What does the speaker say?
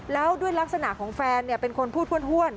แล้วด้วยลักษณะของแฟนเป็นคนพูดห้วน